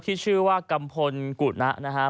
ที่ชื่อว่ากำพลกุหนะ